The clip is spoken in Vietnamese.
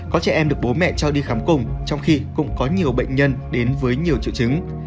có trẻ em được bố mẹ cho đi khám cùng trong khi cũng có nhiều bệnh nhân đến với nhiều triệu chứng